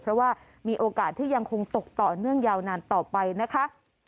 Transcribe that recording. เพราะว่ามีโอกาสที่ยังคงตกต่อเนื่องยาวนานต่อไปนะคะ